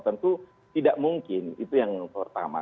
tentu tidak mungkin itu yang pertama